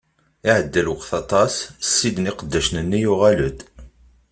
Iɛedda lweqt aṭas, ssid n iqeddacen-nni yuɣal-d.